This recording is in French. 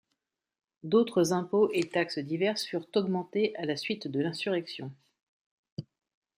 D'autres impôts et taxes diverses furent augmentés à la suite de l'insurrection.